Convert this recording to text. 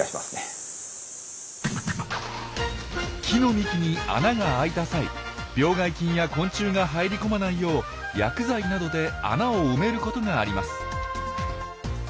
木の幹に穴があいた際病害菌や昆虫が入り込まないよう薬剤などで穴を埋めることがあります。